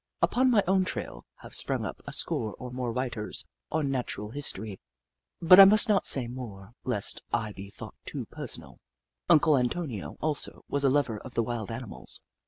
Upon my own trail have sprung up a score or more Hoop La 139 of writers on Natural History — but I must not say more, lest I be thought too personal. Uncle Antonio, also, was a lover of the wild animals.